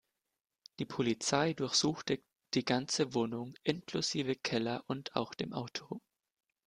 Die Polizei durchsuchte die ganze Wohnung inklusive Keller und auch dem Auto.